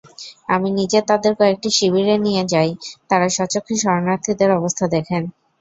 আমি নিজে তাঁদের কয়েকটি শিবিরে নিয়ে যাই, তাঁরা স্বচক্ষে শরণার্থীদের অবস্থা দেখেন।